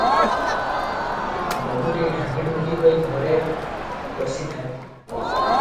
ବୋହୂଟି ଢାଙ୍କିଢୁଙ୍କି ହୋଇ ଘରେ ପଶିଥାଏ ।